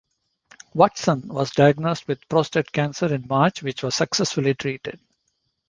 Watson was diagnosed with prostate cancer in March which was successfully treated.